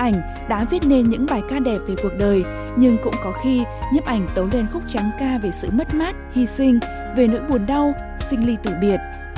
nhấp ảnh tấu lên khúc tráng ca về sự mất mát hy sinh về nỗi buồn đau sinh ly tử biệt